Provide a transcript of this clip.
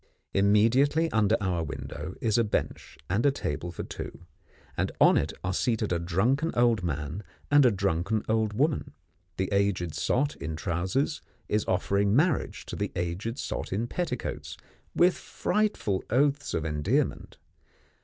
Immediately under our window is a bench and table for two, and on it are seated a drunken old man and a drunken old woman. The aged sot in trousers is offering marriage to the aged sot in petticoats with frightful oaths of endearment.